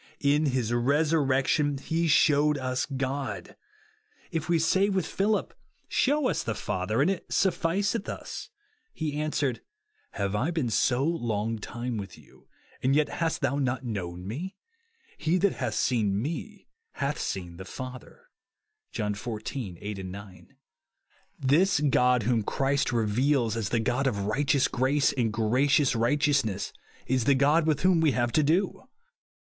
In his resurrection he shewed us God. If we say with Philip, " Shew us the Father, OUR RESTING rLACE, 33' and it siifficeth us ;" he answerSj "Have I been so long time with you, and yet hast thou not known me ? He that hath seen me hath seen the Father," (John xiv. 8, 9). This God whom Christ reveals as the God of righteous grace and gracious righteous ness, is the God with whom we have to do.